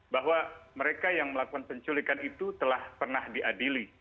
bahwa mereka yang melakukan penculikan itu telah pernah diadili